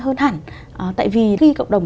hơn hẳn tại vì khi cộng đồng